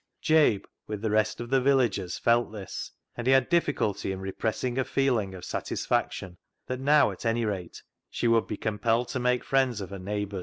Jabe, with the rest of the villagers, felt this, and he had difficulty in repressing a feeling of satisfaction that now, at anyrate she would be compelled to make friends of her neighbours.